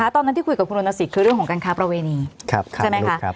ตอนที่คุยกับคุณรณสิทธิคือเรื่องของการค้าประเวณีใช่ไหมคะ